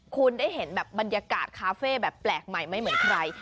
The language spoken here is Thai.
คุณได้เห็นแบบบรรยากาศคาเฟ่แบบแปลกใหม่ไม่เหมือนใคร